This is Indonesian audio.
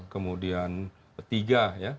kemudian tiga ya